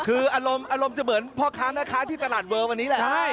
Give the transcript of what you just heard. คืออารมณ์จะเหมือนพอครั้งนักค้าที่ตลาดเวิร์นวันนี้แหละ